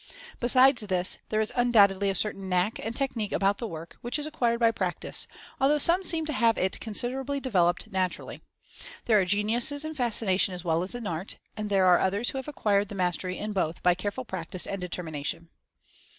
Besides this, there is undoubt edly a certain "knack" and technique about the work, which is acquired by practice, although some seem to have it considerably developed naturally. There are geniuses in Fascination as well as in art — and there are others who have acquired the mastery in both by careful practice and determination.